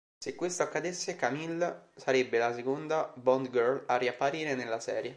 Se questo accadesse, Camille sarebbe la seconda Bond girl a riapparire nella serie.